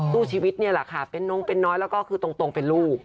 สู้ชีวิตนี่แหละค่ะเป็นน้องเป็นน้อยแล้วก็คือตรงเป็นลูก